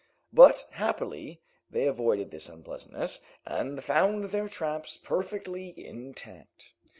But happily they avoided this unpleasantness, and found their traps perfectly intact.